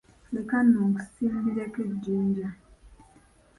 Leka nno nkusimbireko ejjinja.